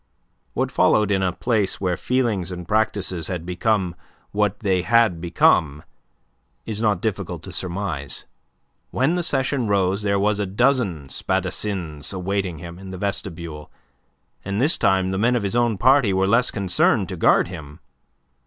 What followed in a place where feelings and practices had become what they had become is not difficult to surmise. When the session rose, there were a dozen spadassins awaiting him in the vestibule, and this time the men of his own party were less concerned to guard him.